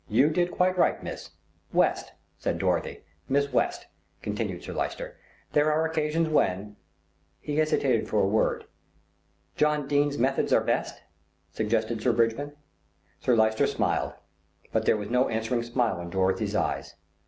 "You did quite right, Miss " "West," said Dorothy. "Miss West," continued Sir Lyster. "There are occasions when " He hesitated for a word. "John Dene's methods are best," suggested Sir Bridgman. Sir Lyster smiled; but there was no answering smile in Dorothy's eyes.